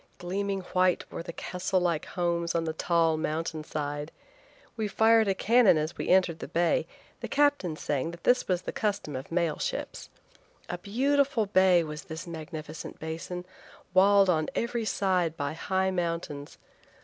Gleaming white were the castle like homes on the tall mountain side. We fired a cannon as we entered the bay, the captain saying that this was the custom of mail ships. A beautiful bay was this magnificent basin, walled on every side by high mountains.